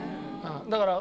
だから。